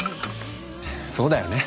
そうだよね。